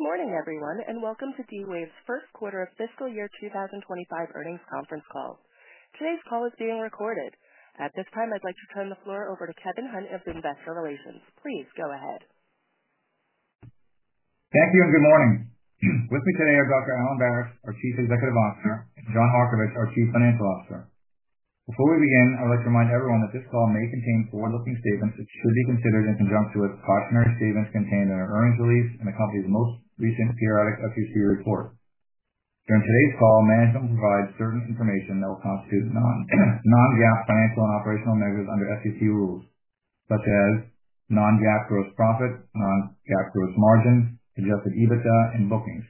Good morning, everyone, and welcome to D-Wave's first quarter of fiscal year 2025 earnings conference call. Today's call is being recorded. At this time, I'd like to turn the floor over to Kevin Hunt of Investor Relations. Please go ahead. Thank you, and good morning. With me today are Dr. Alan Baratz, our Chief Executive Officer, and John Markovich, our Chief Financial Officer. Before we begin, I'd like to remind everyone that this call may contain forward-looking statements that should be considered in conjunction with cautionary statements contained in our earnings release and the company's most recent periodic SEC report. During today's call, management will provide certain information that will constitute non-GAAP financial and operational measures under SEC rules, such as non-GAAP gross profit, non-GAAP gross margin, adjusted EBITDA, and bookings.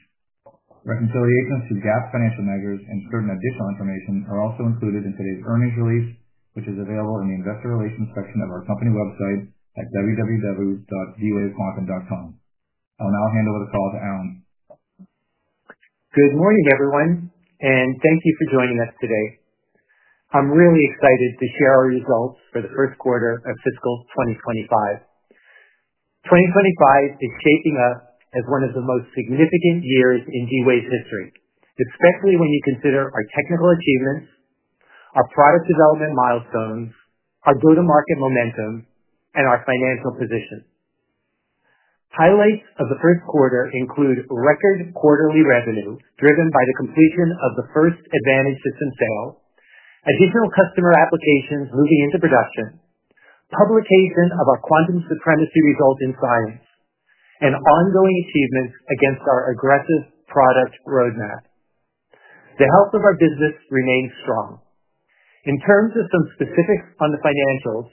Reconciliations to GAAP financial measures and certain additional information are also included in today's earnings release, which is available in the Investor Relations section of our company website at www.dwavequantum.com. I'll now hand over the call to Alan. Good morning, everyone, and thank you for joining us today. I'm really excited to share our results for the first quarter of fiscal 2025. 2025 is shaping up as one of the most significant years in D-Wave's history, especially when you consider our technical achievements, our product development milestones, our go-to-market momentum, and our financial position. Highlights of the first quarter include record quarterly revenue driven by the completion of the first Advantage System sale, additional customer applications moving into production, publication of our quantum supremacy result in science, and ongoing achievements against our aggressive product roadmap. The health of our business remains strong. In terms of some specifics on the financials,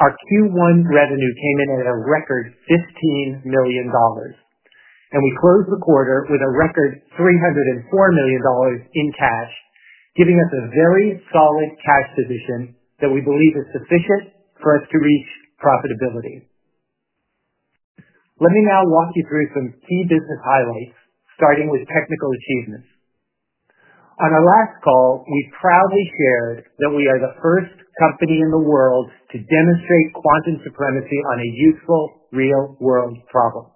our Q1 revenue came in at a record $15 million, and we closed the quarter with a record $304 million in cash, giving us a very solid cash position that we believe is sufficient for us to reach profitability. Let me now walk you through some key business highlights, starting with technical achievements. On our last call, we proudly shared that we are the first company in the world to demonstrate quantum supremacy on a useful real-world problem.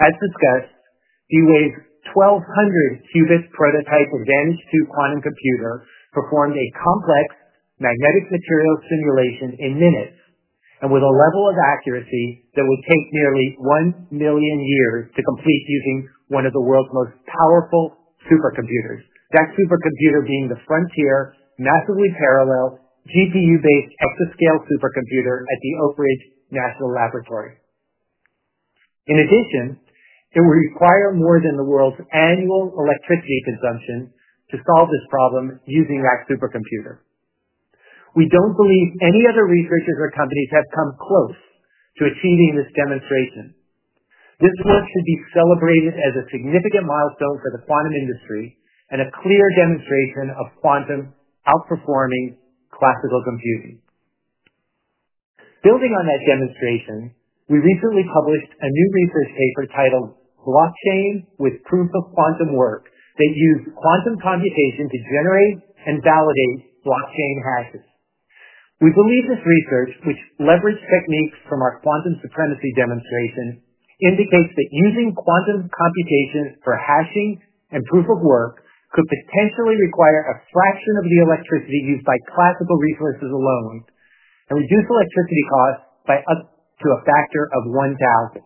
As discussed, D-Wave's 1,200 qubit prototype Advantage 2 quantum computer performed a complex magnetic material simulation in minutes and with a level of accuracy that would take nearly 1 million years to complete using one of the world's most powerful supercomputers, that supercomputer being the Frontier massively parallel GPU-based exascale supercomputer at the Oak Ridge National Laboratory. In addition, it would require more than the world's annual electricity consumption to solve this problem using that supercomputer. We do not believe any other researchers or companies have come close to achieving this demonstration. This work should be celebrated as a significant milestone for the quantum industry and a clear demonstration of quantum outperforming classical computing. Building on that demonstration, we recently published a new research paper titled "Blockchain with Proof of Quantum Work" that used quantum computation to generate and validate blockchain hashes. We believe this research, which leveraged techniques from our quantum supremacy demonstration, indicates that using quantum computation for hashing and proof of work could potentially require a fraction of the electricity used by classical resources alone and reduce electricity costs by up to a factor of 1,000.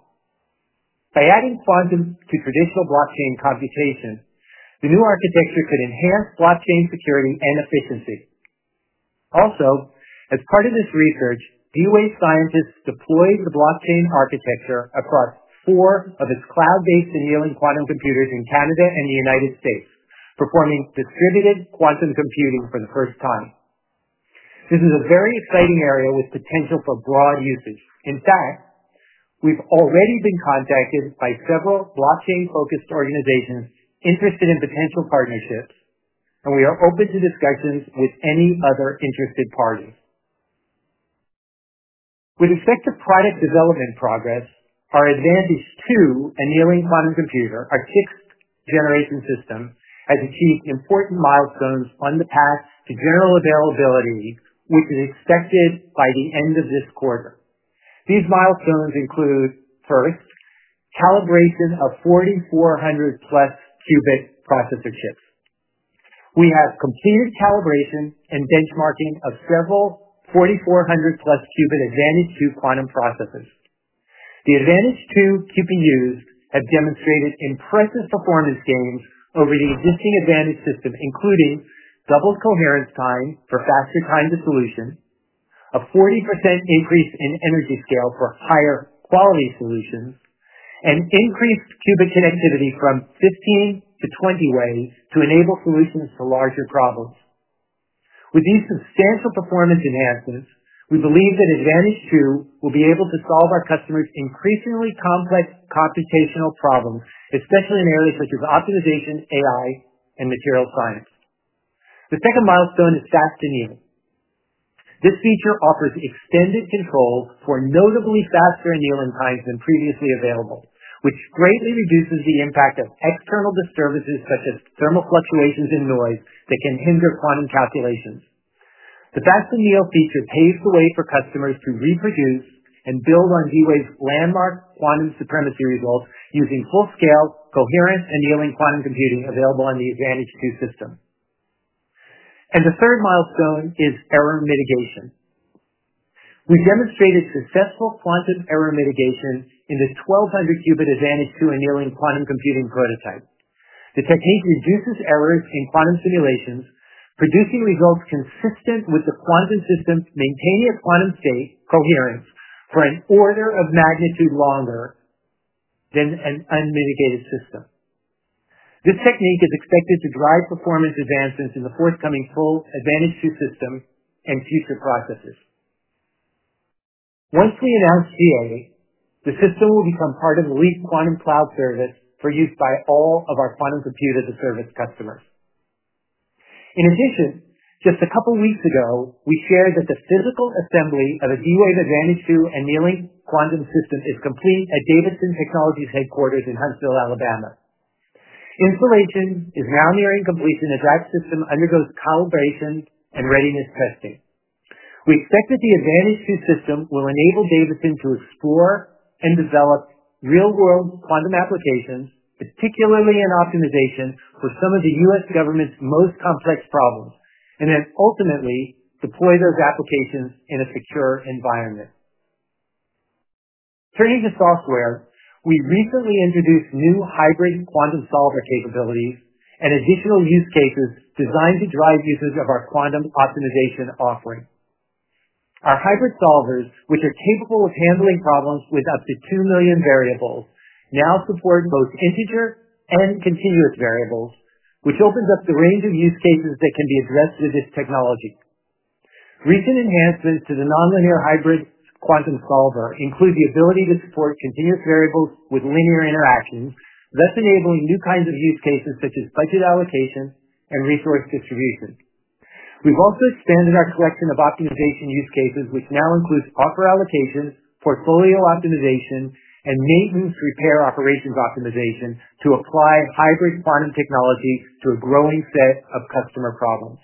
By adding quantum to traditional blockchain computation, the new architecture could enhance blockchain security and efficiency. Also, as part of this research, D-Wave scientists deployed the blockchain architecture across four of its cloud-based and helium quantum computers in Canada and the United States, performing distributed quantum computing for the first time. This is a very exciting area with potential for broad usage. In fact, we've already been contacted by several blockchain-focused organizations interested in potential partnerships, and we are open to discussions with any other interested parties. With respect to product development progress, our Advantage2 and helium quantum computer, our sixth-generation system, has achieved important milestones on the path to general availability, which is expected by the end of this quarter. These milestones include, first, calibration of 4,400+ qubit processor chips. We have completed calibration and benchmarking of several 4,400+ qubit Advantage2 quantum processors. The Advantage 2 QPUs have demonstrated impressive performance gains over the existing Advantage system, including double coherence time for faster time to solution, a 40% increase in energy scale for higher quality solutions, and increased qubit connectivity from 15 to 20-way to enable solutions to larger problems. With these substantial performance enhancements, we believe that Advantage2 will be able to solve our customers' increasingly complex computational problems, especially in areas such as optimization, AI, and material science. The second milestone is fast anneal. This feature offers extended control for notably faster annealing times than previously available, which greatly reduces the impact of external disturbances such as thermal fluctuations and noise that can hinder quantum calculations. The fast anneal feature paves the way for customers to reproduce and build on D-Wave's landmark quantum supremacy results using full-scale coherent annealing quantum computing available on the Advantage2 system. The third milestone is error mitigation. We have demonstrated successful quantum error mitigation in the 1,200 qubit Advantage2 annealing quantum computing prototype. The technique reduces errors in quantum simulations, producing results consistent with the quantum system maintaining a quantum state coherence for an order of magnitude longer than an unmitigated system. This technique is expected to drive performance advancements in the forthcoming full Advantage2 system and future processes. Once we announce GA, the system will become part of the Leap quantum cloud service for use by all of our quantum computers as service customers. In addition, just a couple of weeks ago, we shared that the physical assembly of a D-Wave Advantage2 annealing quantum system is complete at Davidson Technologies headquarters in Huntsville, Alabama. Installation is now nearing completion, and that system undergoes calibration and readiness testing. We expect that the Advantage2 system will enable Davidson to explore and develop real-world quantum applications, particularly in optimization for some of the U.S. government's most complex problems, and then ultimately deploy those applications in a secure environment. Turning to software, we recently introduced new hybrid quantum solver capabilities and additional use cases designed to drive usage of our quantum optimization offering. Our hybrid solvers, which are capable of handling problems with up to 2 million variables, now support both integer and continuous variables, which opens up the range of use cases that can be addressed with this technology. Recent enhancements to the nonlinear hybrid quantum solver include the ability to support continuous variables with linear interactions, thus enabling new kinds of use cases such as budget allocation and resource distribution. We've also expanded our collection of optimization use cases, which now includes offer allocation, portfolio optimization, and maintenance repair operations optimization to apply hybrid quantum technology to a growing set of customer problems.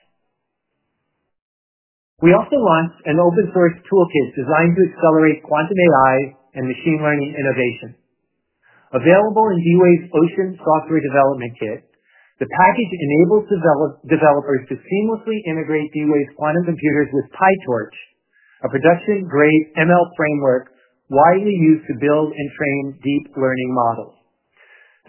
We also launched an open-source toolkit designed to accelerate quantum AI and machine learning innovation. Available in D-Wave's Ocean software development kit, the package enables developers to seamlessly integrate D-Wave's quantum computers with PyTorch, a production-grade ML framework widely used to build and train deep learning models.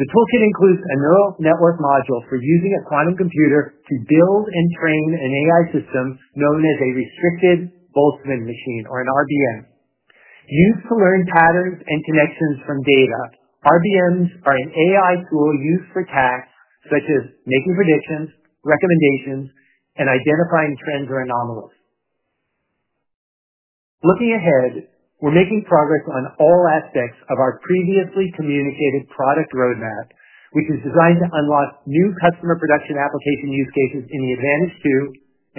The toolkit includes a neural network module for using a quantum computer to build and train an AI system known as a Restricted Boltzmann Machine, or an RBM. Used to learn patterns and connections from data, RBMs are an AI tool used for tasks such as making predictions, recommendations, and identifying trends or anomalies. Looking ahead, we're making progress on all aspects of our previously communicated product roadmap, which is designed to unlock new customer production application use cases in the Advantage2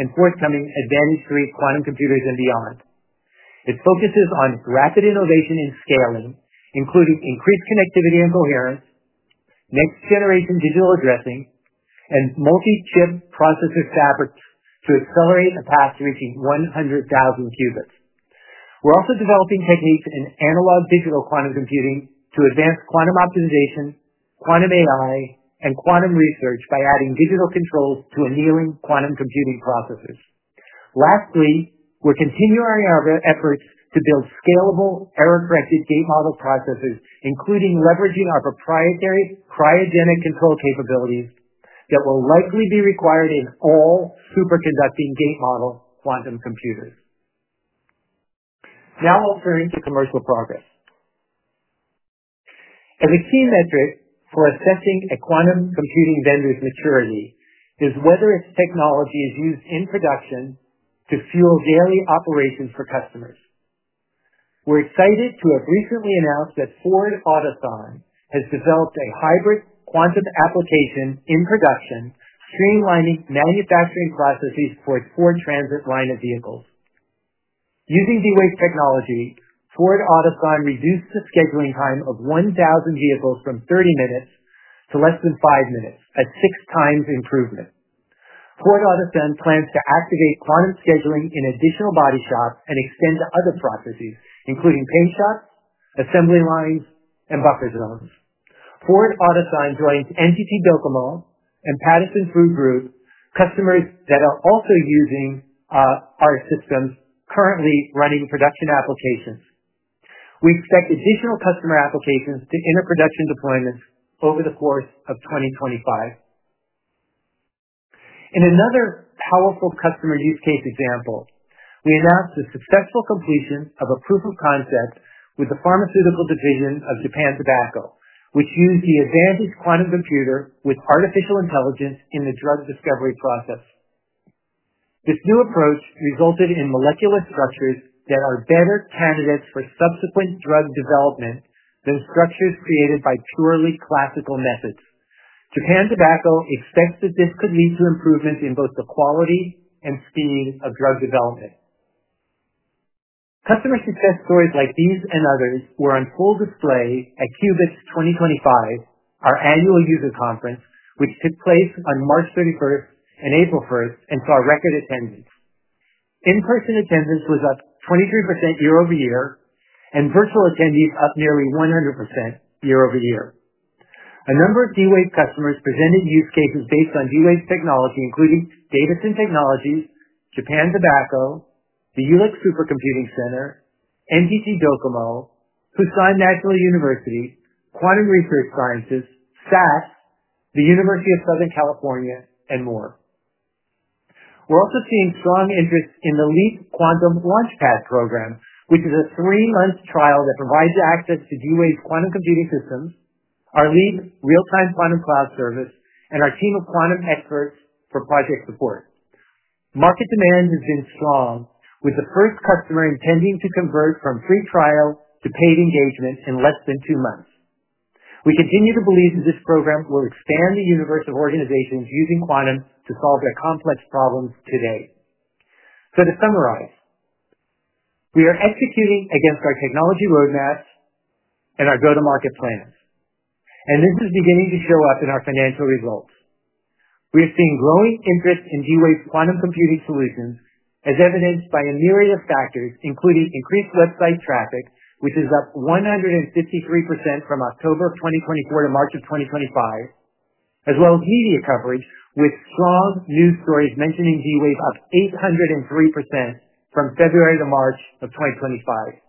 and forthcoming Advantage3 quantum computers and beyond. It focuses on rapid innovation and scaling, including increased connectivity and coherence, next-generation digital addressing, and multi-chip processor fabrics to accelerate a path to reaching 100,000 qubits. We're also developing techniques in analog digital quantum computing to advance quantum optimization, quantum AI, and quantum research by adding digital controls to annealing quantum computing processes. Lastly, we're continuing our efforts to build scalable error-corrected gate model processors, including leveraging our proprietary cryogenic control capabilities that will likely be required in all superconducting gate model quantum computers. Now I'll turn to commercial progress. A key metric for assessing a quantum computing vendor's maturity is whether its technology is used in production to fuel daily operations for customers. We're excited to have recently announced that Ford Otosan has developed a hybrid quantum application in production, streamlining manufacturing processes for its Ford Transit line of vehicles. Using D-Wave technology, Ford Otosan reduced the scheduling time of 1,000 vehicles from 30 minutes to less than 5 minutes, a six-times improvement. Ford Otosan plans to activate quantum scheduling in additional body shops and extend to other processes, including paint shops, assembly lines, and buffer zones. Ford Otosan joins NTT DOCOMO and Pattison Food Group, customers that are also using our systems currently running production applications. We expect additional customer applications to enter production deployments over the course of 2025. In another powerful customer use case example, we announced the successful completion of a proof of concept with the pharmaceutical division of Japan Tobacco, which used the Advantage quantum computer with artificial intelligence in the drug discovery process. This new approach resulted in molecular structures that are better candidates for subsequent drug development than structures created by purely classical methods. Japan Tobacco expects that this could lead to improvements in both the quality and speed of drug development. Customer success stories like these and others were on full display at Qubits 2025, our annual user conference, which took place on March 31st and April 1st and saw record attendance. In-person attendance was up 23% year-over-year, and virtual attendees up nearly 100% year-over-year. A number of D-Wave customers presented use cases based on D-Wave technology, including Davidson Technologies, Japan Tobacco, the Jülich Supercomputing Center, NTT DOCOMO, Pusan National University, Quantum Research Sciences, SAS, the University of Southern California, and more. We're also seeing strong interest in the Leap Quantum LaunchPad program, which is a three-month trial that provides access to D-Wave's quantum computing systems, our Leap real-time quantum cloud service, and our team of quantum experts for project support. Market demand has been strong, with the first customer intending to convert from free trial to paid engagement in less than two months. We continue to believe that this program will expand the universe of organizations using quantum to solve their complex problems today. To summarize, we are executing against our technology roadmaps and our go-to-market plans, and this is beginning to show up in our financial results. We are seeing growing interest in D-Wave's quantum computing solutions, as evidenced by a myriad of factors, including increased website traffic, which is up 153% from October of 2024 to March of 2025, as well as media coverage with strong news stories mentioning D-Wave up 803% from February to March of 2025.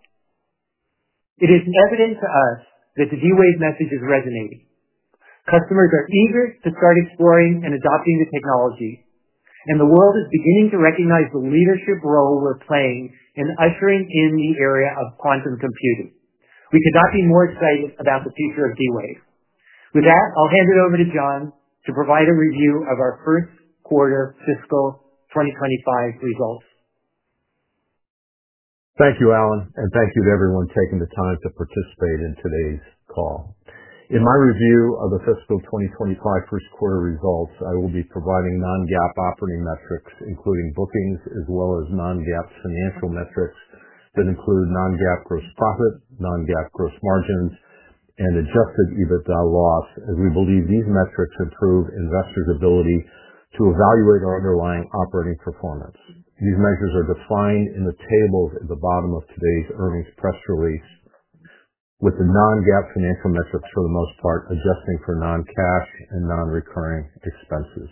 It is evident to us that the D-Wave message is resonating. Customers are eager to start exploring and adopting the technology, and the world is beginning to recognize the leadership role we're playing in ushering in the area of quantum computing. We could not be more excited about the future of D-Wave. With that, I'll hand it over to John to provide a review of our first quarter fiscal 2025 results. Thank you, Alan, and thank you to everyone taking the time to participate in today's call. In my review of the fiscal 2025 first quarter results, I will be providing non-GAAP operating metrics, including bookings, as well as non-GAAP financial metrics that include non-GAAP gross profit, non-GAAP gross margins, and adjusted EBITDA loss, as we believe these metrics improve investors' ability to evaluate our underlying operating performance. These measures are defined in the tables at the bottom of today's earnings press release, with the non-GAAP financial metrics for the most part adjusting for non-cash and non-recurring expenses.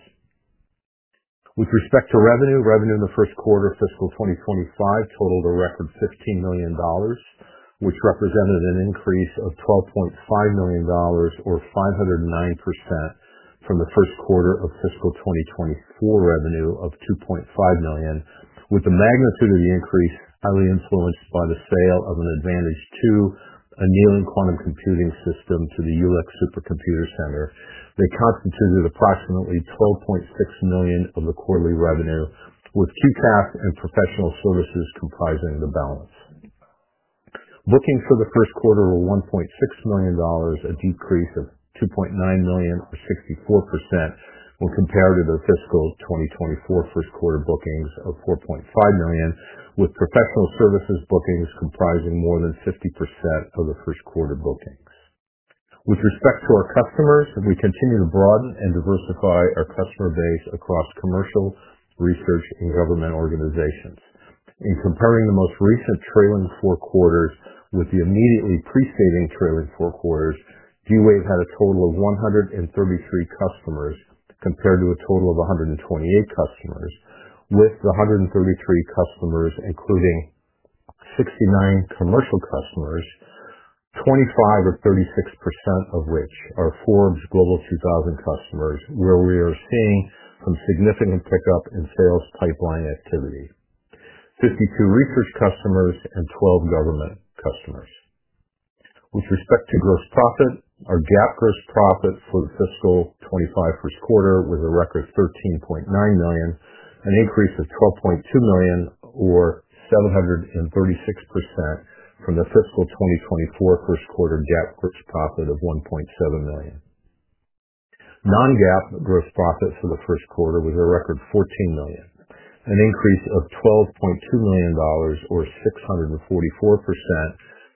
With respect to revenue, revenue in the first quarter fiscal 2025 totaled a record $15 million, which represented an increase of $12.5 million, or 509%, from the first quarter of fiscal 2024 revenue of $2.5 million, with the magnitude of the increase highly influenced by the sale of an Advantage2 annealing quantum computing system to the Jülich Supercomputing Center. They constituted approximately $12.6 million of the quarterly revenue, with QCaaS and professional services comprising the balance. Bookings for the first quarter were $1.6 million, a decrease of $2.9 million, or 64%, when compared to the fiscal 2024 first quarter bookings of $4.5 million, with professional services bookings comprising more than 50% of the first quarter bookings. With respect to our customers, we continue to broaden and diversify our customer base across commercial, research, and government organizations. In comparing the most recent trailing four quarters with the immediately preceding trailing four quarters, D-Wave had a total of 133 customers compared to a total of 128 customers, with the 133 customers including 69 commercial customers, 25% or 36% of which are Forbes Global 2000 customers, where we are seeing some significant pickup in sales pipeline activity, 52 research customers, and 12 government customers. With respect to gross profit, our GAAP gross profit for the fiscal 2025 first quarter was a record $13.9 million, an increase of $12.2 million, or 736%, from the fiscal 2024 first quarter GAAP gross profit of $1.7 million. Non-GAAP gross profit for the first quarter was a record $14 million, an increase of $12.2 million, or 644%,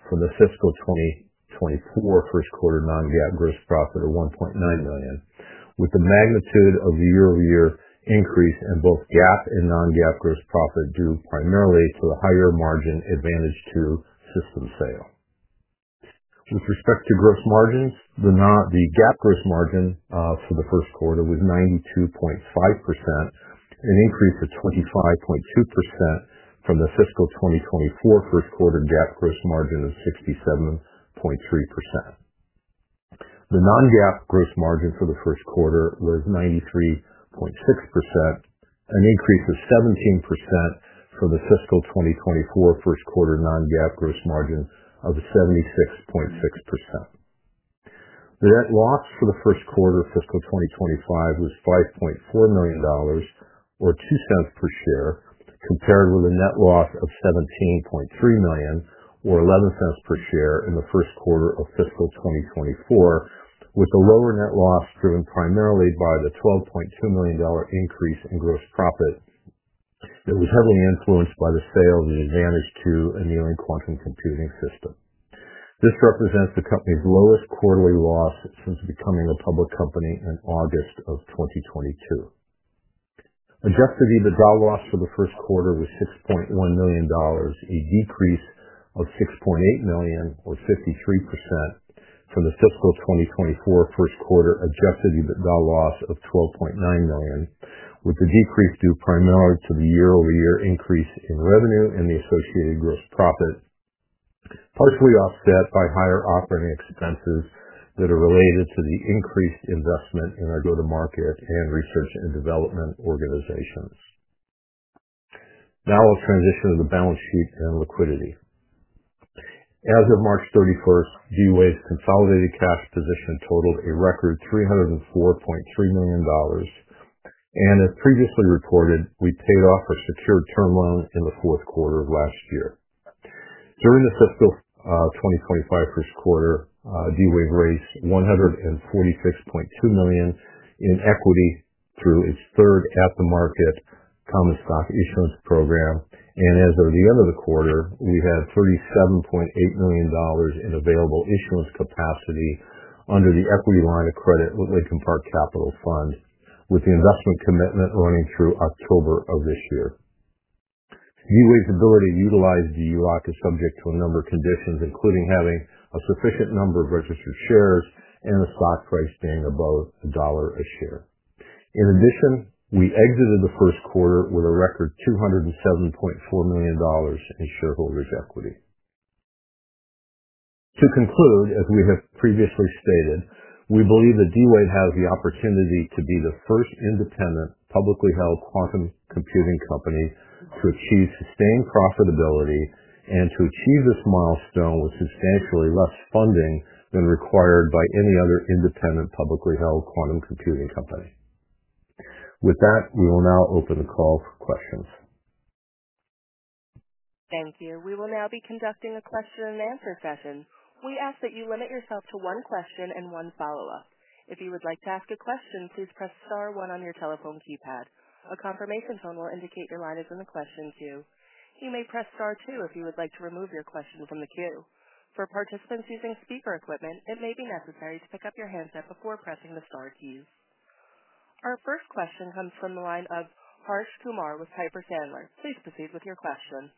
from the fiscal 2024 first quarter non-GAAP gross profit of $1.9 million, with the magnitude of the year-over-year increase in both GAAP and non-GAAP gross profit due primarily to the higher margin Advantage2 system sale. With respect to gross margins, the GAAP gross margin for the first quarter was 92.5%, an increase of 25.2%, from the fiscal 2024 first quarter GAAP gross margin of 67.3%. The non-GAAP gross margin for the first quarter was 93.6%, an increase of 17%, from the fiscal 2024 first quarter non-GAAP gross margin of 76.6%. The net loss for the first quarter of fiscal 2025 was $5.4 million, or $0.02 per share, compared with a net loss of $17.3 million, or $0.11 per share, in the first quarter of fiscal 2024, with the lower net loss driven primarily by the $12.2 million increase in gross profit that was heavily influenced by the sale of the Advantage2 annealing quantum computing system. This represents the company's lowest quarterly loss since becoming a public company in August of 2022. Adjusted EBITDA loss for the first quarter was $6.1 million, a decrease of $6.8 million, or 53%, from the fiscal 2024 first quarter adjusted EBITDA loss of $12.9 million, with the decrease due primarily to the year-over-year increase in revenue and the associated gross profit, partially offset by higher operating expenses that are related to the increased investment in our go-to-market and research and development organizations. Now I'll transition to the balance sheet and liquidity. As of March 31st, D-Wave's consolidated cash position totaled a record $304.3 million, and as previously reported, we paid off our secured term loan in the fourth quarter of last year. During the fiscal 2025 first quarter, D-Wave raised $146.2 million in equity through its third at-the-market common stock issuance program, and as of the end of the quarter, we had $37.8 million in available issuance capacity under the equity line of credit with Lincoln Park Capital Fund, with the investment commitment running through October of this year. D-Wave's ability to utilize the ELOC is subject to a number of conditions, including having a sufficient number of registered shares and the stock price being above a dollar a share. In addition, we exited the first quarter with a record $207.4 million in shareholders' equity. To conclude, as we have previously stated, we believe that D-Wave has the opportunity to be the first independent, publicly held quantum computing company to achieve sustained profitability and to achieve this milestone with substantially less funding than required by any other independent, publicly held quantum computing company. With that, we will now open the call for questions. Thank you. We will now be conducting a question-and-answer session. We ask that you limit yourself to one question and one follow-up. If you would like to ask a question, please press star one on your telephone keypad. A confirmation tone will indicate your line is in the question queue. You may press star two if you would like to remove your question from the queue. For participants using speaker equipment, it may be necessary to pick up your handset before pressing the star keys. Our first question comes from the line of Harsh Kumar with Piper Sandler. Please proceed with your question.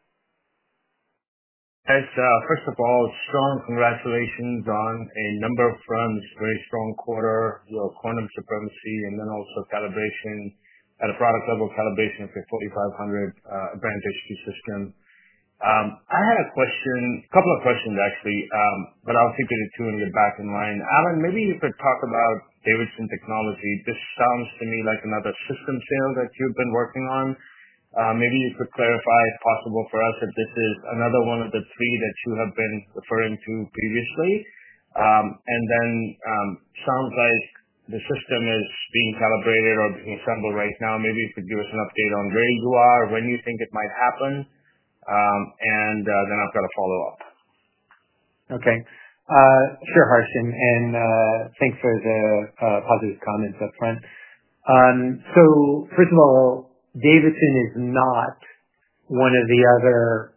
Hey, Sarah. First of all, strong congratulations on a number of runs, very strong quarter, your quantum supremacy, and then also calibration at a product-level calibration for 4,500 Advantage2 system. I had a question, a couple of questions actually, but I'll keep it to two and get back in line. Alan, maybe you could talk about Davidson Technologies. This sounds to me like another system sale that you've been working on. Maybe you could clarify, if possible, for us if this is another one of the three that you have been referring to previously. It sounds like the system is being calibrated or being assembled right now. Maybe you could give us an update on where you are, when you think it might happen, and then I've got a follow-up. Okay. Sure, Harsh, and thanks for the positive comments upfront. First of all, Davidson is not one of the other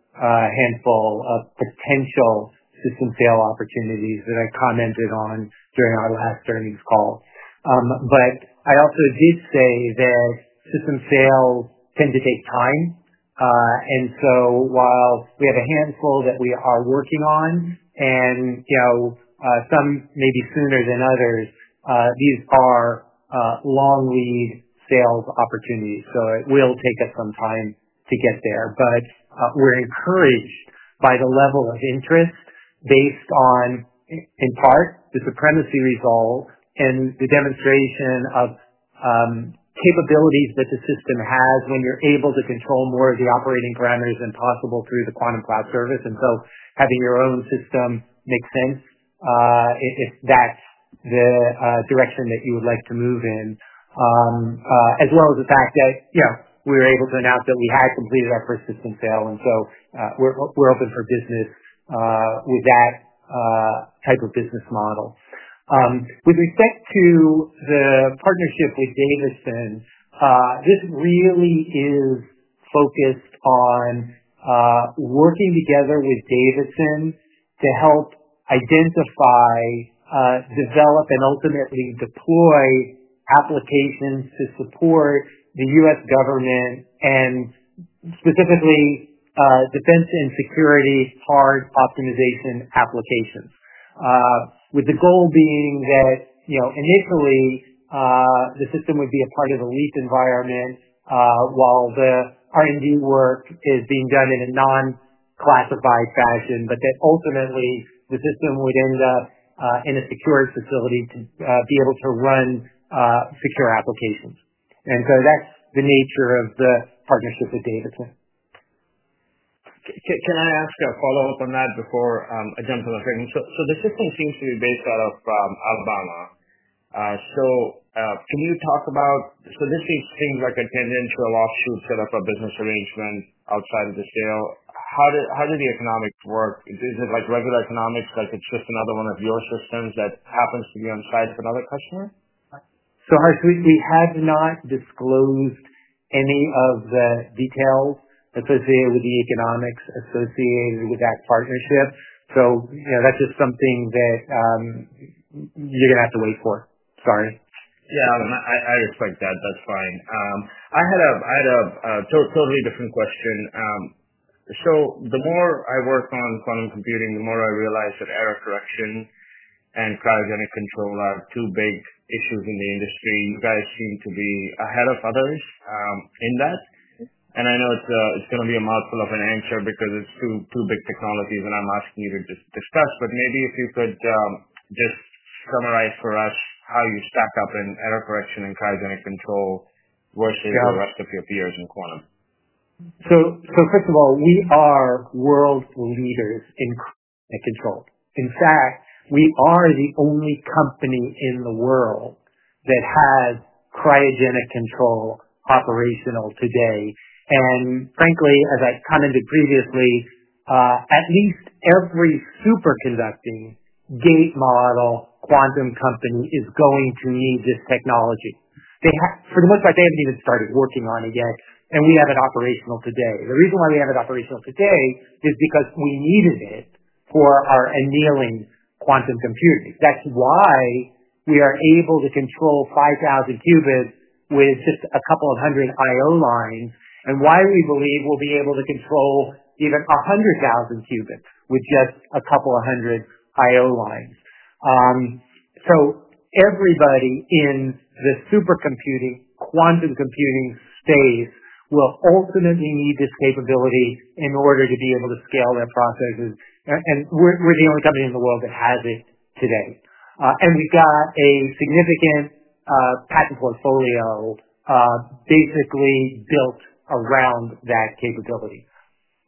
handful of potential system sale opportunities that I commented on during our last earnings call. I also did say that system sales tend to take time, and while we have a handful that we are working on and some maybe sooner than others, these are long-lead sales opportunities, so it will take us some time to get there. We're encouraged by the level of interest based on, in part, the supremacy results and the demonstration of capabilities that the system has when you're able to control more of the operating parameters than possible through the quantum cloud service. Having your own system makes sense if that is the direction that you would like to move in, as well as the fact that we were able to announce that we had completed our first system sale, and we are open for business with that type of business model. With respect to the partnership with Davidson, this really is focused on working together with Davidson to help identify, develop, and ultimately deploy applications to support the U.S. government and specifically defense and security hard optimization applications, with the goal being that initially the system would be a part of the lease environment while the R&D work is being done in a non-classified fashion, but that ultimately the system would end up in a secured facility to be able to run secure applications. That is the nature of the partnership with Davidson. Can I ask a follow-up on that before I jump to the next question? The system seems to be based out of Alabama. Can you talk about—this seems like a tangential offshoot setup of business arrangement outside of the sale. How do the economics work? Is it like regular economics, like it's just another one of your systems that happens to be on the side of another customer? Harsh, we have not disclosed any of the details associated with the economics associated with that partnership. That is just something that you're going to have to wait for. Sorry. I respect that. That is fine. I had a totally different question. The more I work on quantum computing, the more I realize that error correction and cryogenic control are two big issues in the industry. You guys seem to be ahead of others in that. I know it's going to be a mouthful of an answer because it's two big technologies that I'm asking you to discuss, but maybe if you could just summarize for us how you stack up in error correction and cryogenic control versus the rest of your peers in quantum. First of all, we are world leaders in cryogenic control. In fact, we are the only company in the world that has cryogenic control operational today. Frankly, as I commented previously, at least every superconducting gate model quantum company is going to need this technology. For the most part, they haven't even started working on it yet, and we have it operational today. The reason why we have it operational today is because we needed it for our annealing quantum computing. That's why we are able to control 5,000 qubits with just a couple of hundred I/O lines, and why we believe we'll be able to control even 100,000 qubits with just a couple of hundred I/O lines. Everybody in the supercomputing quantum computing space will ultimately need this capability in order to be able to scale their processes, and we're the only company in the world that has it today. We've got a significant patent portfolio basically built around that capability.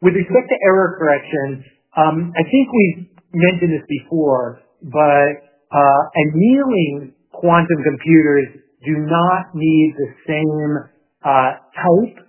With respect to error correction, I think we've mentioned this before, but annealing quantum computers do not need the same type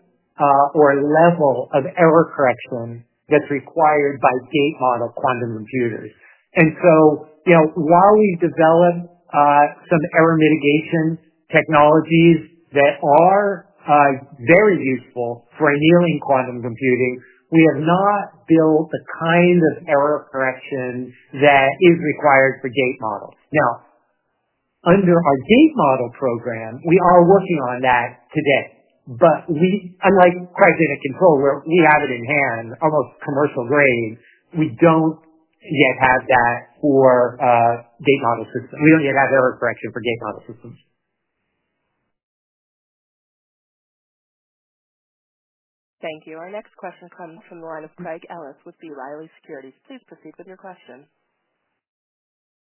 or level of error correction that's required by gate-model quantum computers. While we've developed some error mitigation technologies that are very useful for annealing quantum computing, we have not built the kind of error correction that is required for gate models. Now, under our gate model program, we are working on that today, but unlike cryogenic control, where we have it in hand, almost commercial grade, we do not yet have that for gate model systems. We do not yet have error correction for gate model systems. Thank you. Our next question comes from the line of Craig Ellis with B. Riley Securities. Please proceed with your question.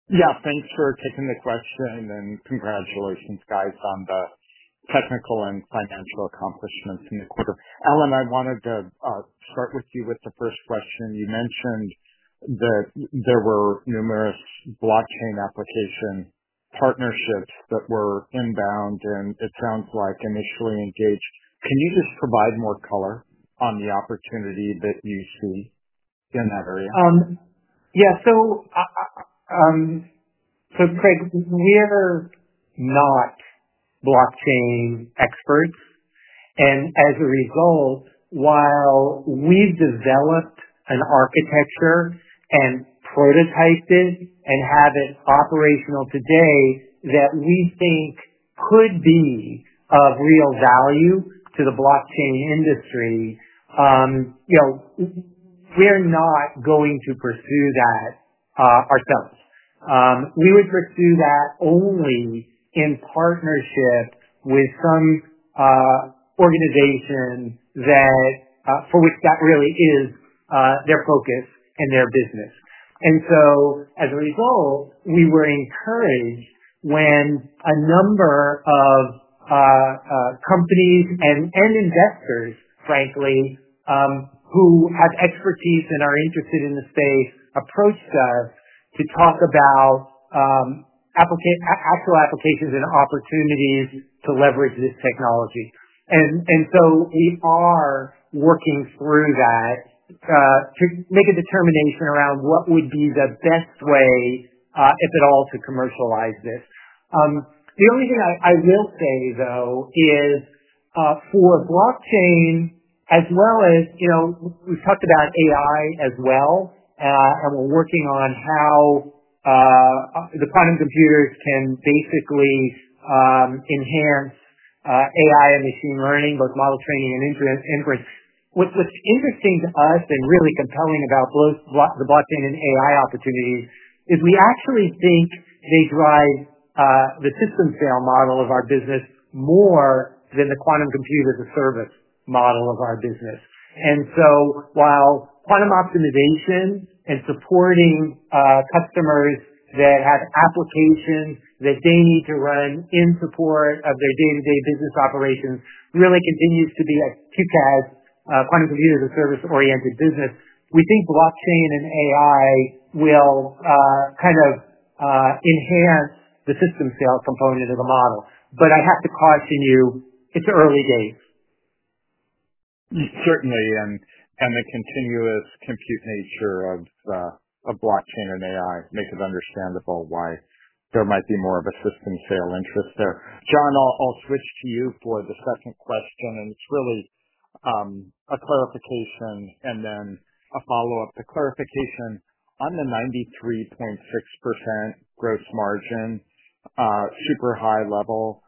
Yeah, thanks for taking the question, and congratulations, guys, on the technical and financial accomplishments in the quarter. Alan, I wanted to start with you with the first question. You mentioned that there were numerous blockchain application partnerships that were inbound, and it sounds like initially engaged. Can you just provide more color on the opportunity that you see in that area? Yeah. Craig, we're not blockchain experts, and as a result, while we've developed an architecture and prototyped it and have it operational today that we think could be of real value to the blockchain industry, we're not going to pursue that ourselves. We would pursue that only in partnership with some organization for which that really is their focus and their business. As a result, we were encouraged when a number of companies and investors, frankly, who have expertise and are interested in the space, approached us to talk about actual applications and opportunities to leverage this technology. We are working through that to make a determination around what would be the best way, if at all, to commercialize this. The only thing I will say, though, is for blockchain, as well as we've talked about AI as well, and we're working on how the quantum computers can basically enhance AI and machine learning, both model training and inference. What's interesting to us and really compelling about the blockchain and AI opportunities is we actually think they drive the system sale model of our business more than the quantum computers as a service model of our business. While quantum optimization and supporting customers that have applications that they need to run in support of their day-to-day business operations really continues to be a QCaaS quantum computers as a service-oriented business, we think blockchain and AI will kind of enhance the system sale component of the model. I have to caution you, it's early days. Certainly, and the continuous compute nature of blockchain and AI makes it understandable why there might be more of a system sale interest there. John, I'll switch to you for the second question, and it's really a clarification and then a follow-up. The clarification on the 93.6% gross margin, super high level,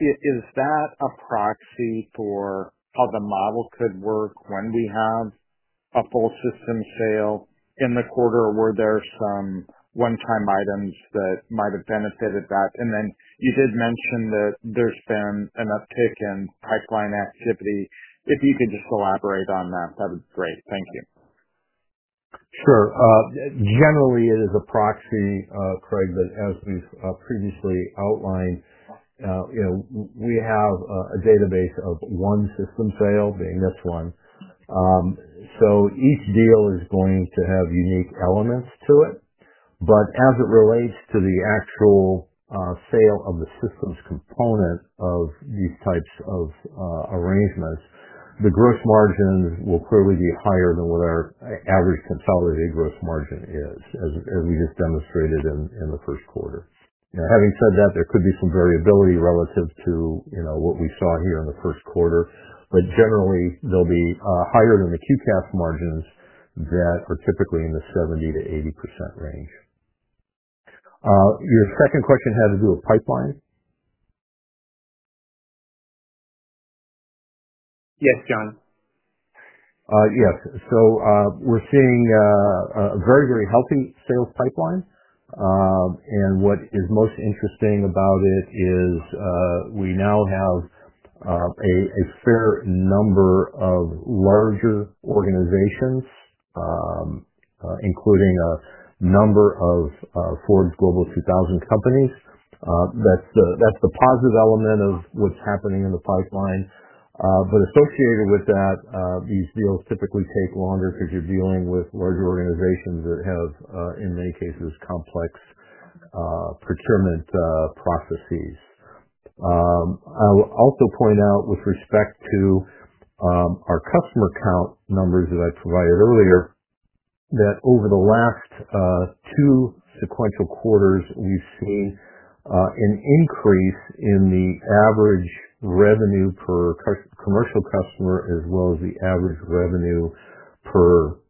is that a proxy for how the model could work when we have a full system sale in the quarter where there are some one-time items that might have benefited that? And then you did mention that there's been an uptick in pipeline activity. If you could just elaborate on that, that would be great. Thank you. Sure. Generally, it is a proxy, Craig, that as we've previously outlined, we have a database of one system sale, being this one. So each deal is going to have unique elements to it. As it relates to the actual sale of the systems component of these types of arrangements, the gross margins will clearly be higher than what our average consolidated gross margin is, as we just demonstrated in the first quarter. Having said that, there could be some variability relative to what we saw here in the first quarter, but generally, they'll be higher than the QCaaS margins that are typically in the 70%-80% range. Your second question had to do with pipeline? Yes, John. Yes. We are seeing a very, very healthy sales pipeline, and what is most interesting about it is we now have a fair number of larger organizations, including a number of Forbes Global 2000 companies. That's the positive element of what's happening in the pipeline. Associated with that, these deals typically take longer because you're dealing with larger organizations that have, in many cases, complex procurement processes. I'll also point out, with respect to our customer count numbers that I provided earlier, that over the last two sequential quarters, we've seen an increase in the average revenue per commercial customer as well as the average revenue per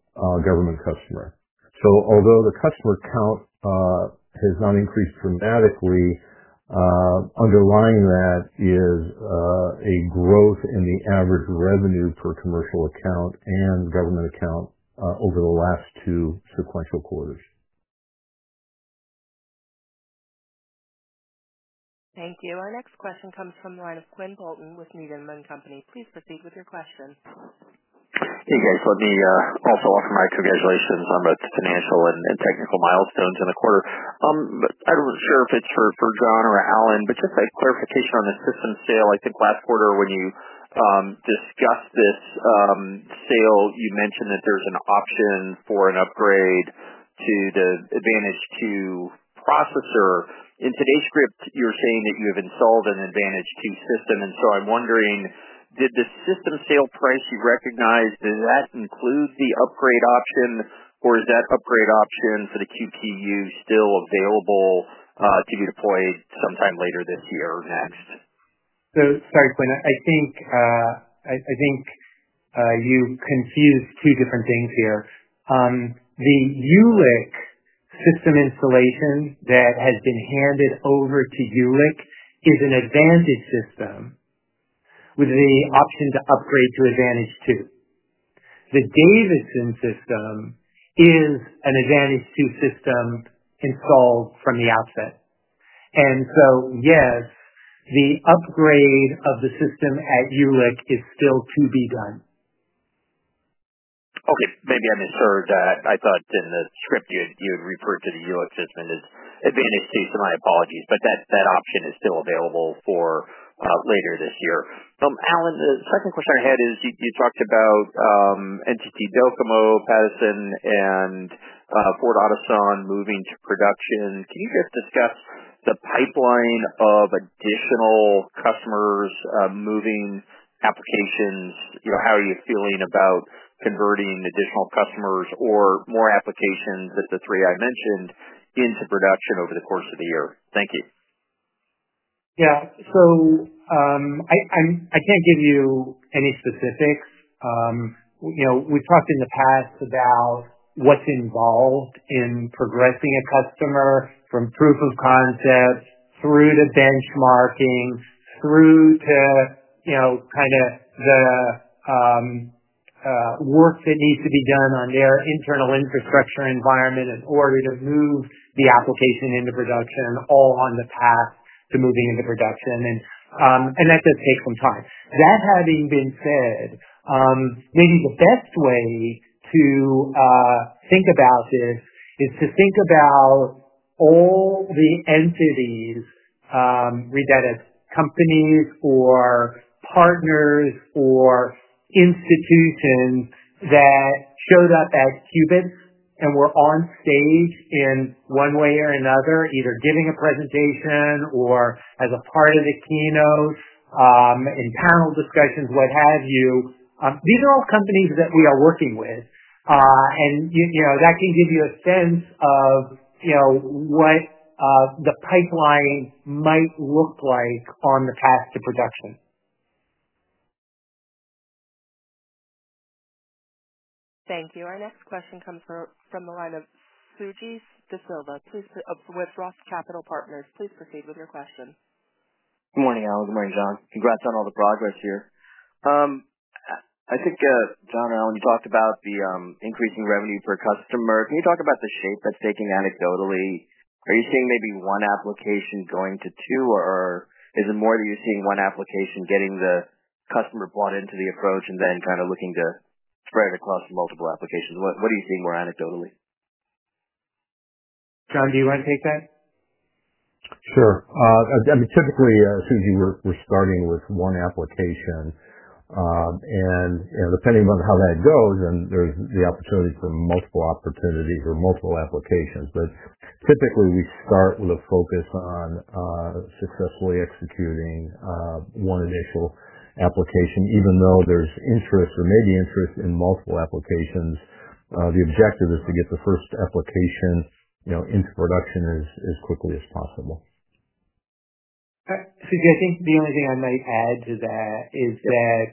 government customer. Although the customer count has not increased dramatically, underlying that is a growth in the average revenue per commercial account and government account over the last two sequential quarters. Thank you. Our next question comes from the line of Quinn Bolton with Needham & Company. Please proceed with your question. Hey, guys. Let me also offer my congratulations on the financial and technical milestones in the quarter. I'm not sure if it's for John or Alan, but just a clarification on the system sale. I think last quarter, when you discussed this sale, you mentioned that there's an option for an upgrade to the Advantage2 processor. In today's script, you're saying that you have installed an Advantage2 system, and so I'm wondering, did the system sale price you recognized, did that include the upgrade option, or is that upgrade option for the QPU still available to be deployed sometime later this year or next? Sorry, Quinn. I think you confused two different things here. The Jülich system installation that has been handed over to Jülich an Advantage system with the option to upgrade to Advantage2. The Davidson system is an Advantage 2 system installed from the outset. Yes, the upgrade of the system at Jülich is still to be done. Okay. Maybe I misheard that. I thought in the script you had referred to the Jülich system as Advantage2, so my apologies. That option is still available for later this year. Alan, the second question I had is you talked about NTT DOCOMO, Pattison, and Ford Otosan moving to production. Can you just discuss the pipeline of additional customers moving applications? How are you feeling about converting additional customers or more applications than the three I mentioned into production over the course of the year? Thank you. Yeah. I can't give you any specifics. We've talked in the past about what's involved in progressing a customer from proof-of-concept through to benchmarking, through to kind of the work that needs to be done on their internal infrastructure environment in order to move the application into production, all on the path to moving into production. That does take some time. That having been said, maybe the best way to think about this is to think about all the entities, whether that's companies or partners or institutions that showed up at qubit and were on stage in one way or another, either giving a presentation or as a part of the keynote in panel discussions, what have you. These are all companies that we are working with, and that can give you a sense of what the pipeline might look like on the path to production. Thank you. Our next question comes from the line of Suji Desilva, with Roth Capital Partners. Please proceed with your question. Good morning, Alan. Good morning, John. Congrats on all the progress here. I think, John or Alan, you talked about the increasing revenue per customer. Can you talk about the shape that's taking anecdotally? Are you seeing maybe one application going to two, or is it more that you're seeing one application getting the customer brought into the approach and then kind of looking to spread it across multiple applications? What are you seeing more anecdotally? John, do you want to take that? Sure. I mean, typically, Suji, we're starting with one application, and depending on how that goes, then there's the opportunity for multiple opportunities or multiple applications. But typically, we start with a focus on successfully executing one initial application. Even though there's interest or maybe interest in multiple applications, the objective is to get the first application into production as quickly as possible. Suji, I think the only thing I might add to that is that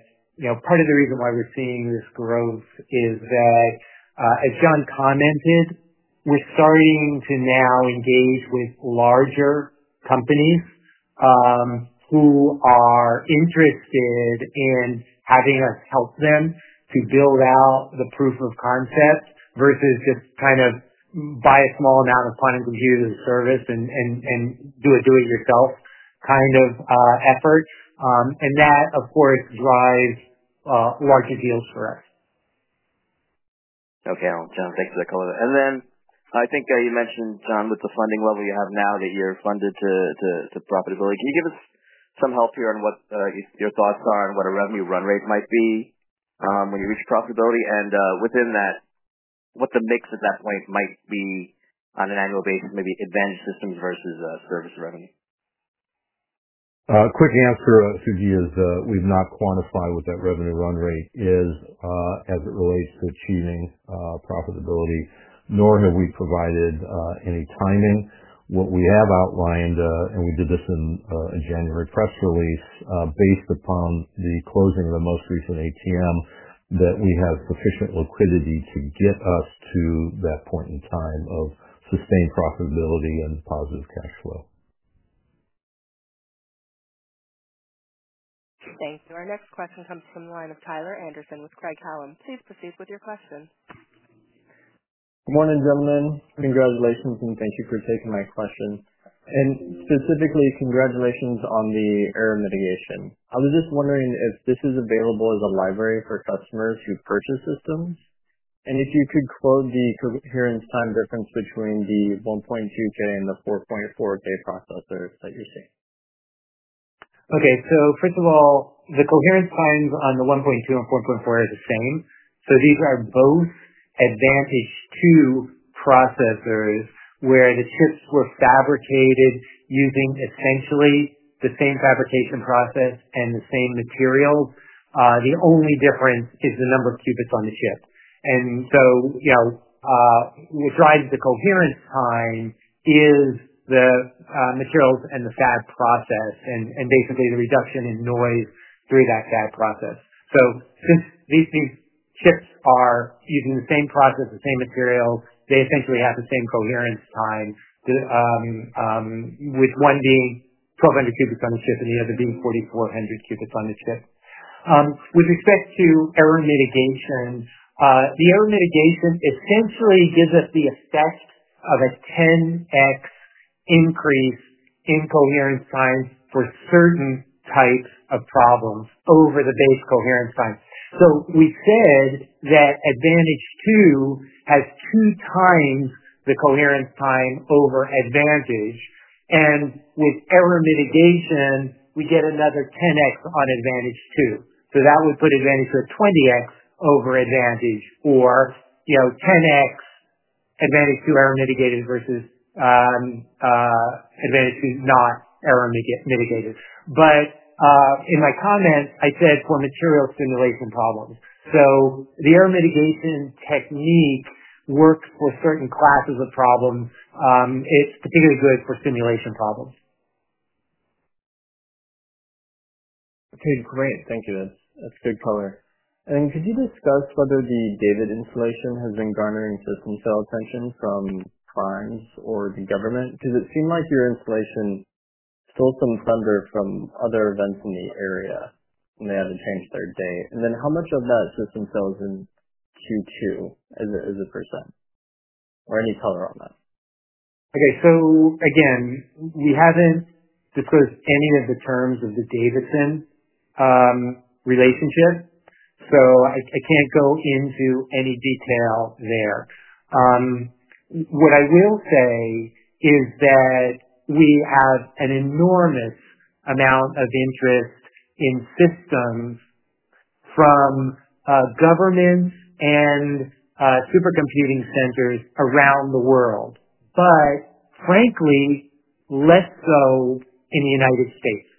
part of the reason why we're seeing this growth is that, as John commented, we're starting to now engage with larger companies who are interested in having us help them to build out the proof of concept versus just kind of buy a small amount of quantum computers as a service and do a do-it-yourself kind of effort. That, of course, drives larger deals for us. Okay, Alan. John, thanks for that color. I think you mentioned, John, with the funding level you have now that you're funded to profitability. Can you give us some help here on what your thoughts are on what a revenue run rate might be when you reach profitability? And within that, what the mix at that point might be on an annual basis, maybe Advantage systems versus service revenue? Quick answer, Suji, is we've not quantified what that revenue run rate is as it relates to achieving profitability, nor have we provided any timing. What we have outlined, and we did this in a January press release, based upon the closing of the most recent ATM, that we have sufficient liquidity to get us to that point in time of sustained profitability and positive cash flow. Thank you. Our next question comes from the line of Tyler Anderson with Craig-Hallum. Please proceed with your question. Good morning, gentlemen. Congratulations, and thank you for taking my question. And specifically, congratulations on the error mitigation. I was just wondering if this is available as a library for customers who purchase systems, and if you could quote the coherence time difference between the 1.2K and the 4.4K processors that you're seeing. Okay. First of all, the coherence times on the 1.2K and 4.4K are the same. These are both Advantage2 processors where the chips were fabricated using essentially the same fabrication process and the same materials. The only difference is the number of qubits on the chip. What drives the coherence time is the materials and the fab process, and basically the reduction in noise through that fab process. Since these chips are using the same process, the same materials, they essentially have the same coherence time, with one being 1,200 qubits on the chip and the other being 4,400 qubits on the chip. With respect to error mitigation, the error mitigation essentially gives us the effect of a 10x increase in coherence times for certain types of problems over the base coherence time. We said that Advantage2 has two times the coherence time over Advantage, and with error mitigation, we get another 10x on Advantage 2. That would put Advantage to a 20x over Advantage, or 10x Advantage2 error mitigated versus Advantage2 not error mitigated. In my comment, I said for material simulation problems. The error mitigation technique works for certain classes of problems. It's particularly good for simulation problems. Okay. Great. Thank you. That's good color. Could you discuss whether the Davidson installation has been garnering system sale attention from clients or the government? Because it seemed like your installation stole some thunder from other events in the area when they had to change their date. And then how much of that system sales in Q2 is it percent? Or any color on that? Okay. So again, we haven't disclosed any of the terms of the Davidson relationship, so I can't go into any detail there. What I will say is that we have an enormous amount of interest in systems from governments and supercomputing centers around the world, but frankly, less so in the United States.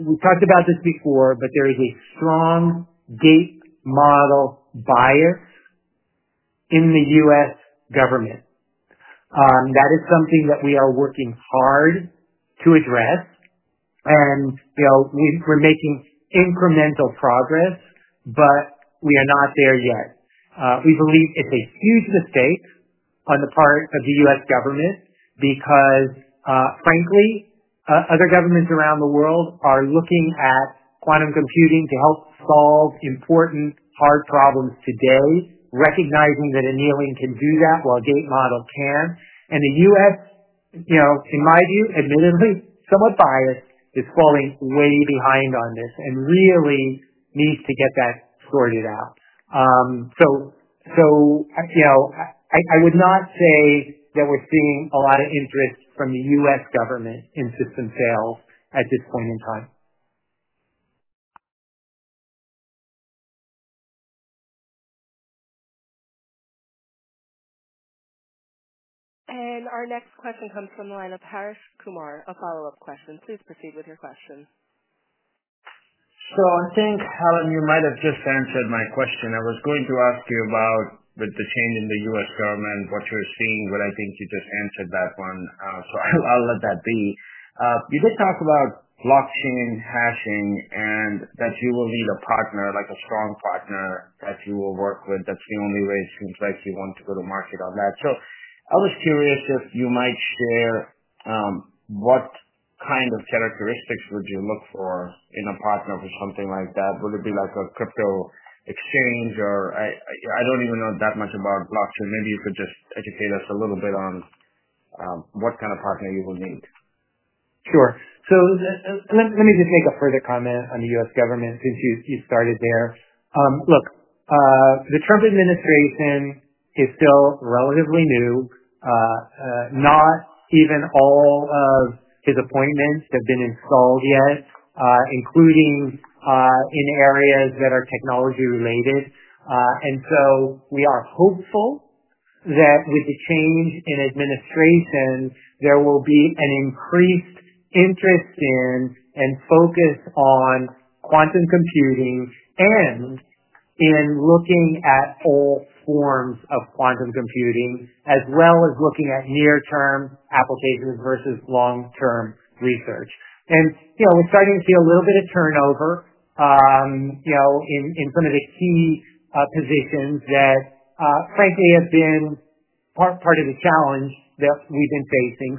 We talked about this before, but there is a strong gate model bias in the U.S. government. That is something that we are working hard to address, and we're making incremental progress, but we are not there yet. We believe it's a huge mistake on the part of the U.S. government because, frankly, other governments around the world are looking at quantum computing to help solve important hard problems today, recognizing that annealing can do that while a gate model can. The U.S., in my view, admittedly, somewhat biased, is falling way behind on this and really needs to get that sorted out. I would not say that we're seeing a lot of interest from the U.S. government in system sales at this point in time. Our next question comes from the line of Harsh Kumar, a follow-up question. Please proceed with your question. I think, Alan, you might have just answered my question. I was going to ask you about, with the change in the U.S. government, what you're seeing, but I think you just answered that one, so I'll let that be. You did talk about blockchain, hashing, and that you will need a partner, like a strong partner that you will work with. That's the only way it seems like you want to go to market on that. I was curious if you might share what kind of characteristics would you look for in a partner for something like that. Would it be like a crypto exchange or I don't even know that much about blockchain. Maybe you could just educate us a little bit on what kind of partner you will need. Sure. Let me just make a further comment on the U.S. government since you started there. Look, the Trump administration is still relatively new. Not even all of his appointments have been installed yet, including in areas that are technology-related. We are hopeful that with the change in administration, there will be an increased interest in and focus on quantum computing and in looking at all forms of quantum computing, as well as looking at near-term applications versus long-term research. We're starting to see a little bit of turnover in some of the key positions that, frankly, have been part of the challenge that we've been facing.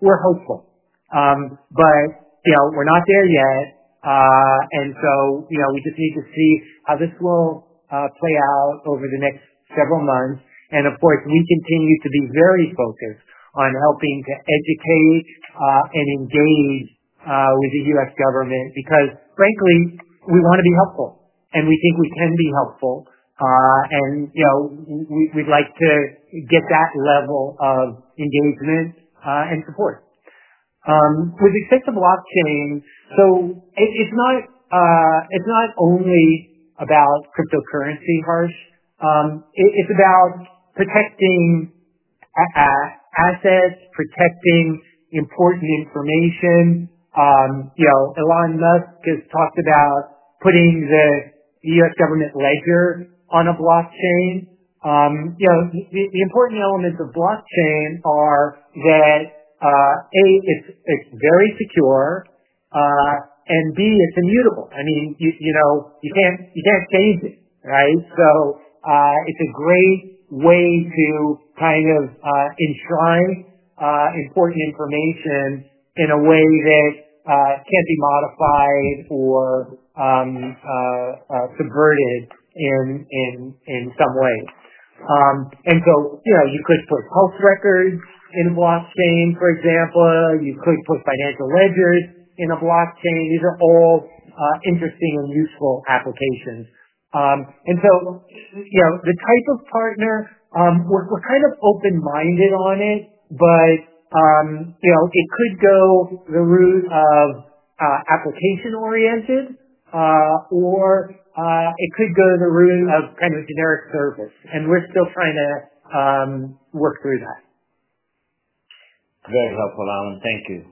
We are hopeful, but we're not there yet. We just need to see how this will play out over the next several months. Of course, we continue to be very focused on helping to educate and engage with the U.S. government because, frankly, we want to be helpful, and we think we can be helpful, and we'd like to get that level of engagement and support. With respect to blockchain, it's not only about cryptocurrency, Harsh. It's about protecting assets, protecting important information. Elon Musk has talked about putting the U.S. government ledger on a blockchain. The important elements of blockchain are that, A, it's very secure, and B, it's immutable. I mean, you can't change it, right? It is a great way to kind of enshrine important information in a way that can't be modified or subverted in some way. You could put health records in a blockchain, for example. You could put financial ledgers in a blockchain. These are all interesting and useful applications. The type of partner, we're kind of open-minded on it, but it could go the route of application-oriented, or it could go the route of kind of generic service. We're still trying to work through that. Very helpful, Alan. Thank you.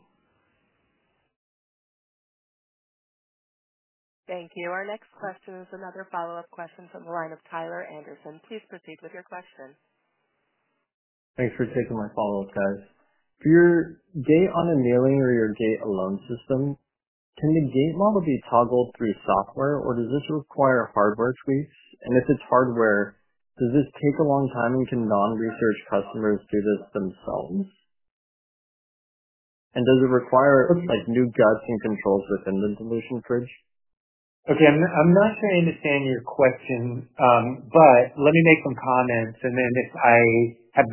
Thank you. Our next question is another follow-up question from the line of Tyler Anderson. Please proceed with your question. Thanks for taking my follow-up, guys. If you're gate on annealing or you're a gate alone system, can the gate model be toggled through software, or does this require hardware tweaks? If it's hardware, does this take a long time and can non-research customers do this themselves? Does it require new guts and controls within the solution fridge? Okay. I'm not sure I understand your question, but let me make some comments, and then if I have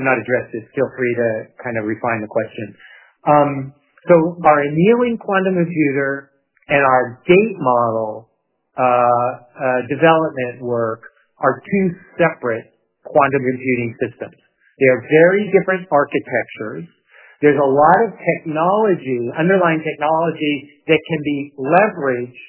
not addressed it, feel free to kind of refine the question. Our annealing quantum computer and our gate model development work are two separate quantum computing systems. They are very different architectures. There's a lot of underlying technology that can be leveraged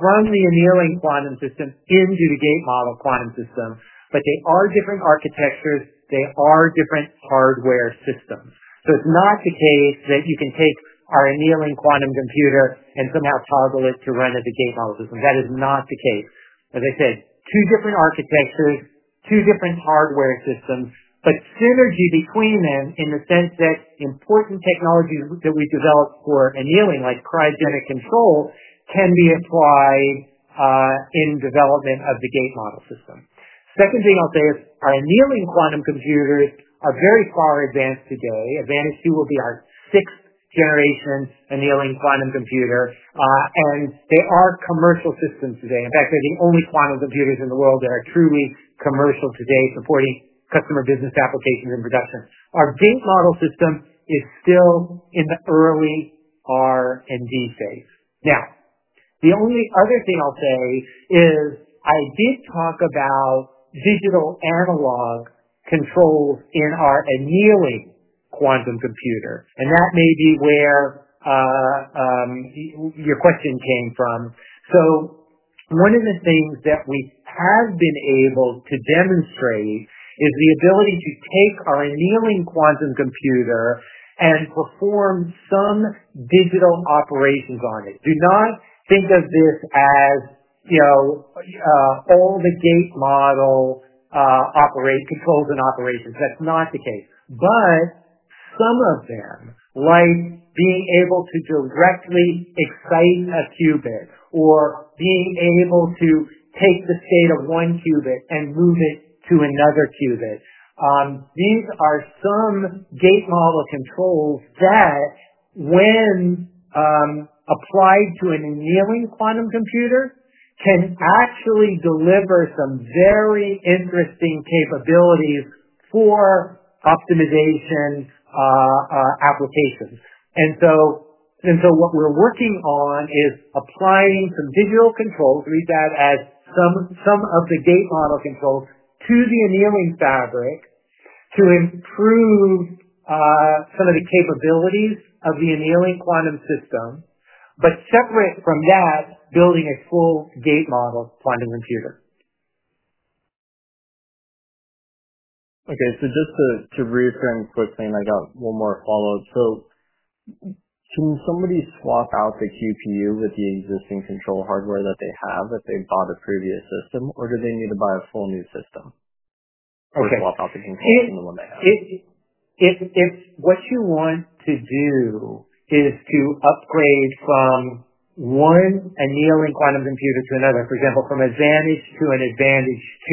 from the annealing quantum system into the gate model quantum system, but they are different architectures. They are different hardware systems. It's not the case that you can take our annealing quantum computer and somehow toggle it to run as a gate model system. That is not the case. As I said, two different architectures, two different hardware systems, but synergy between them in the sense that important technologies that we develop for annealing, like cryogenic control, can be applied in development of the gate model system. Second thing I'll say is our annealing quantum computers are very far advanced today. Advantage2 will be our sixth-generation annealing quantum computer, and they are commercial systems today. In fact, they're the only quantum computers in the world that are truly commercial today, supporting customer business applications and production. Our gate model system is still in the early R&D phase. Now, the only other thing I'll say is I did talk about digital analog controls in our annealing quantum computer, and that may be where your question came from. One of the things that we have been able to demonstrate is the ability to take our annealing quantum computer and perform some digital operations on it. Do not think of this as all the gate model controls and operations. That's not the case. Some of them, like being able to directly excite a qubit or being able to take the state of one qubit and move it to another qubit, these are some gate model controls that, when applied to an annealing quantum computer, can actually deliver some very interesting capabilities for optimization applications. What we're working on is applying some digital controls—read that as some of the gate model controls—to the annealing fabric to improve some of the capabilities of the annealing quantum system, but separate from that, building a full gate model quantum computer. Okay. Just to reframe quickly, and I got one more follow-up. Can somebody swap out the QPU with the existing control hardware that they have if they bought a previous system, or do they need to buy a full new system and swap out the control from the one they have? If what you want to do is to upgrade from one annealing quantum computer to another, for example, from Advantage to an Advantage2,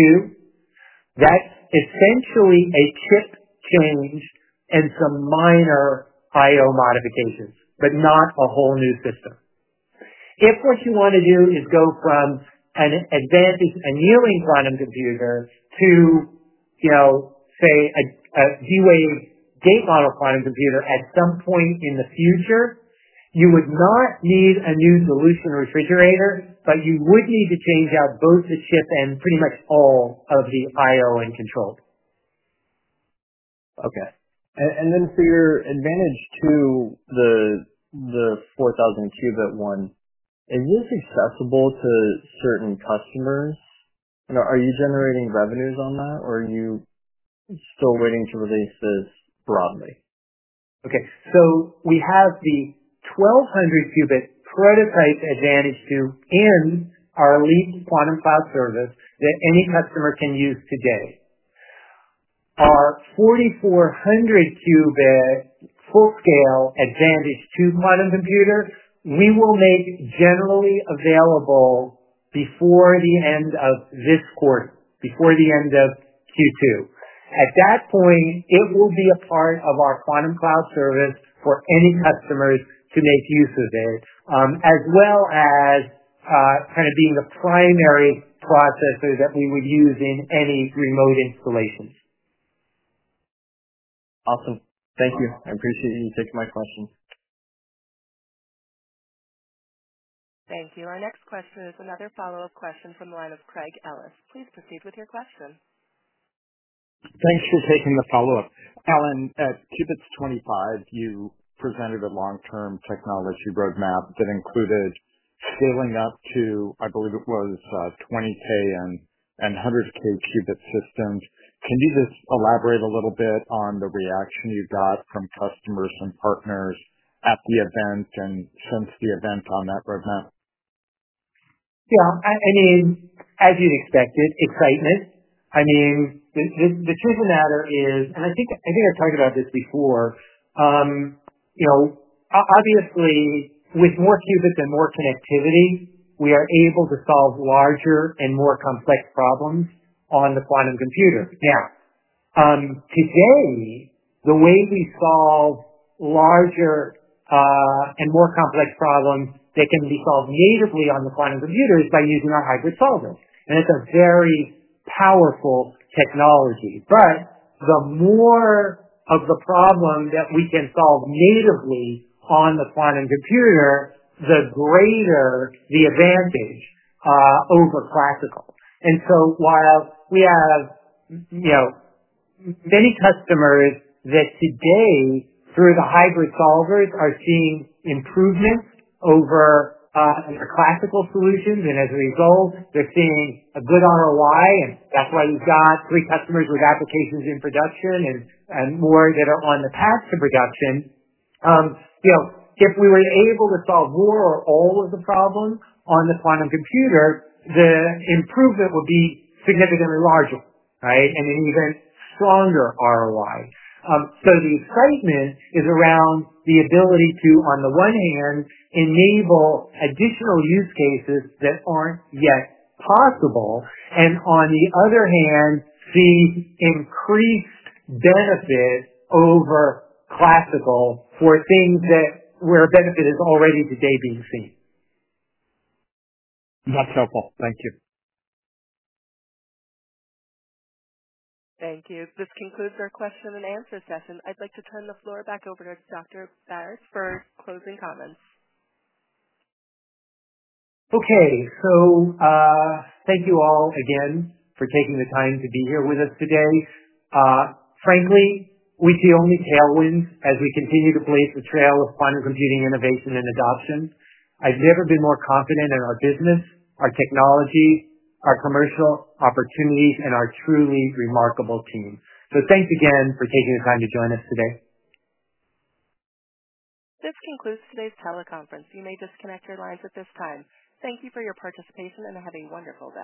that's essentially a chip change and some minor I/O modifications, but not a whole new system. If what you want to do is go from an Advantage annealing quantum computer to, say, a D-Wave gate model quantum computer at some point in the future, you would not need a new solution refrigerator, but you would need to change out both the chip and pretty much all of the I/O and controls. Okay. For your Advantage2, the 4,000-qubit one, is this accessible to certain customers? Are you generating revenues on that, or are you still waiting to release this broadly? Okay. We have the 1,200-qubit prototype Advantage2 in our elite quantum cloud service that any customer can use today. Our 4,400-qubit full-scale Advantage2 quantum computer, we will make generally available before the end of this quarter, before the end of Q2. At that point, it will be a part of our quantum cloud service for any customers to make use of it, as well as kind of being the primary processor that we would use in any remote installation. Awesome. Thank you. I appreciate you taking my question. Thank you. Our next question is another follow-up question from the line of Craig Ellis. Please proceed with your question. Thanks for taking the follow-up. Alan, at Qubits 2025, you presented a long-term technology roadmap that included scaling up to, I believe it was, 20K and 100K qubit systems. Can you just elaborate a little bit on the reaction you got from customers and partners at the event and since the event on that roadmap? Yeah. I mean, as you'd expect it, excitement. I mean, the truth of the matter is, and I think I've talked about this before, obviously, with more qubit and more connectivity, we are able to solve larger and more complex problems on the quantum computer. Now, today, the way we solve larger and more complex problems that can be solved natively on the quantum computer is by using our hybrid solvers. It's a very powerful technology. The more of the problem that we can solve natively on the quantum computer, the greater the advantage over classical. While we have many customers that today, through the hybrid solvers, are seeing improvements over classical solutions, and as a result, they're seeing a good ROI, that's why we've got three customers with applications in production and more that are on the path to production. If we were able to solve more or all of the problems on the quantum computer, the improvement would be significantly larger, right, and an even stronger ROI. The excitement is around the ability to, on the one hand, enable additional use cases that aren't yet possible, and on the other hand, see increased benefit over classical for things where benefit is already today being seen. That's helpful. Thank you. Thank you. This concludes our question-and-answer session. I'd like to turn the floor back over to Dr. Baratz for closing comments. Okay. Thank you all again for taking the time to be here with us today. Frankly, we see only tailwinds as we continue to blaze the trail of quantum computing innovation and adoption. I've never been more confident in our business, our technology, our commercial opportunities, and our truly remarkable team. Thanks again for taking the time to join us today. This concludes today's teleconference. You may disconnect your lines at this time. Thank you for your participation, and have a wonderful day.